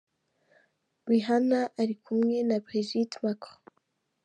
Rihanna ari kumwe na Brigitte Macron.